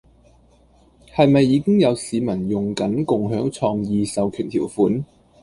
係咪已經有市民用緊共享創意授權條款？